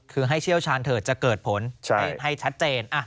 คือให้เชี่ยวชาญเถอะจะเกิดผลให้ชัดเจน